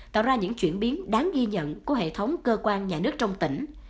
tạo ra những chuyển biến đáng ghi nhận của hệ thống cơ quan nhà nước trong tỉnh